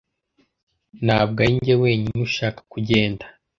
Ntabwo arinjye wenyine ushaka kugenda